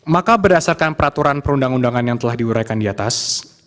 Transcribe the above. maka berdasarkan peraturan perundang undangan yang telah diuraikan di atas